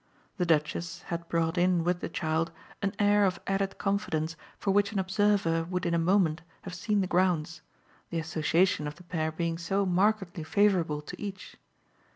The Duchess had brought in with the child an air of added confidence for which an observer would in a moment have seen the grounds, the association of the pair being so markedly favourable to each.